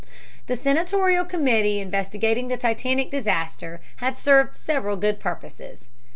The senatorial committee investigating the Titanic disaster has served several good purposes.